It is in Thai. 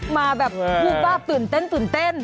มาแบบพูดว่าตื่นเต้นตื่นเต้น